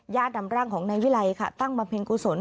นำร่างของนายวิลัยค่ะตั้งบำเพ็ญกุศล